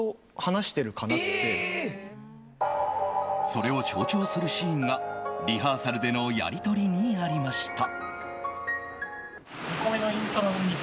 それを象徴するシーンがリハーサルでのやり取りにありました。